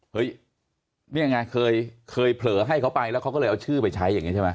เนี่ยไงเคยเผลอให้เขาไปแล้วเขาก็เลยเอาชื่อไปใช้อย่างนี้ใช่ไหม